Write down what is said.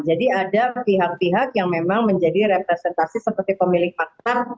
jadi ada pihak pihak yang memang menjadi representasi seperti pemilik maktab